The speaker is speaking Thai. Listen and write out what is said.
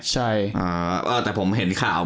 ใช่แต่ผมเห็นข่าว